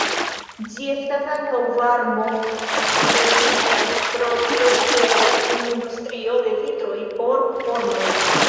Ĝi estas ankaŭ varmo-rezista, pro tio uzeblas en industrio de vitroj por fornoj.